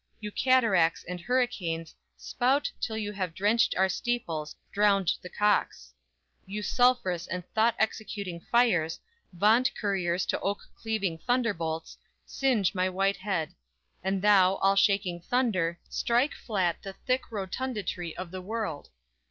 You cataracts, and hurricanes, spout Till you have drenched our steeples, drowned the cocks! You sulphurous and thought executing fires, Vaunt couriers to oak cleaving thunderbolts, Singe my white head! And thou, all shaking thunder, Strike flat the thick rotundity of the world!